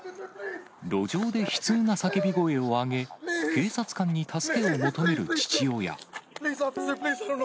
路上で悲痛な叫び声を上げ、警察官に助けを求める父親。